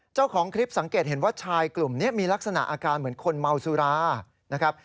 เจ้าของคลิปสังเกตเห็นว่าชายกลุ่มนี้มีลักษณะอาการเหมือนคนเมาสุรานะครับ